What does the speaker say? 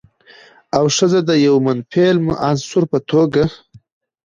او ښځه د يوه منفعل عنصر په توګه